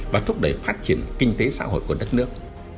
và thúc đẩy phát triển kinh tế xã hội của đất nước